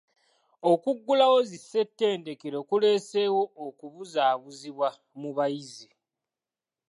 Okuggulawo zi ssettendekero kureeseewo okubuzaabuzibwa mu bayizi.